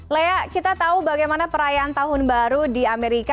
lea kita tahu bagaimana perayaan tahun baru di amerika